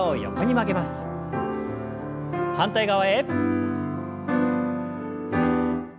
反対側へ。